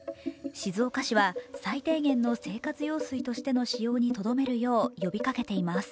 静岡市は、最低限の生活用水としての使用にとどめるよう呼びかけています。